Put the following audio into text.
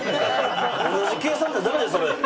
同じ計算じゃダメですそれ。